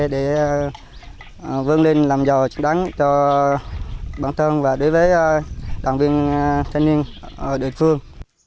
để vươn lên làm giàu chứng đáng cho bản thân và đối với đoàn viên thanh niên đối phương